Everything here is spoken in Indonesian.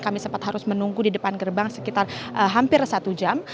kami sempat harus menunggu di depan gerbang sekitar hampir satu jam